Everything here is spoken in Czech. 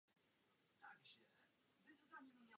Potřebujeme samozřejmě vědět i to, jak máme nabízet své vedení.